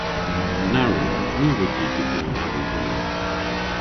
Na wrug. Ny wrug vy dybri an aval dor.